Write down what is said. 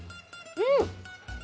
うん！